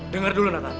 dengar dulu natan